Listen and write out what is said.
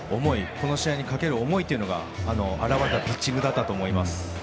この試合にかける思いが現れたピッチングだったと思います。